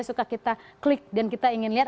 suka kita klik dan kita ingin lihat